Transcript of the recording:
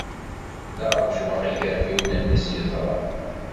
La ṛejjmeɣ igerfiwen-nni s yeẓra.